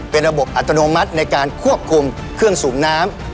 เป็นระบบอัตโนมัติในการควบคุมเครื่องสูบน้ำ